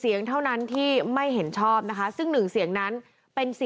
๑เสียงเท่านั้นที่ไม่เห็นชอบซึ่งนึงเสียงนั้น